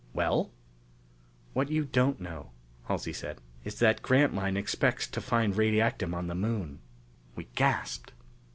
"Well?" "What you don't know," Halsey said, "is that Grantline expects to find radiactum on the Moon." We gasped.